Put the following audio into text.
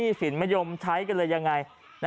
กลับมาพร้อมขอบความ